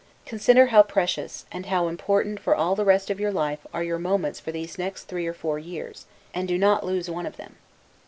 Consider how precious, and how important for all the rest of your life, are your moments for these next three or four years; and do not lose one of them.